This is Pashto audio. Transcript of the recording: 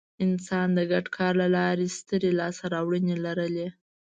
انسان د ګډ کار له لارې سترې لاستهراوړنې لرلې.